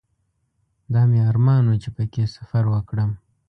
دا مې ارمان و چې په کې سفر وکړم.